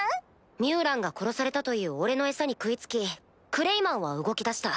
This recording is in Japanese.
ミュウランが殺されたという俺の餌に食い付きクレイマンは動きだした。